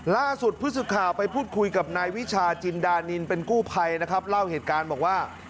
ล่าสุดผู้สื่อข่าวไปพูดคุยกับนายวิชาจินดานินเป็นกู้ภัยนะครับเล่าเหตุการณ์บอกว่า